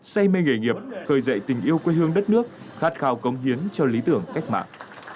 say mê nghề nghiệp khơi dậy tình yêu quê hương đất nước khát khao cống hiến cho lý tưởng cách mạng